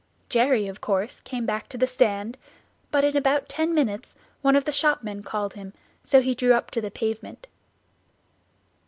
Jerry of course came back to the stand, but in about ten minutes one of the shopmen called him, so we drew up to the pavement.